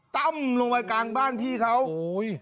ตั้มลงไปกลางบ้านพี่เขาโอ้ย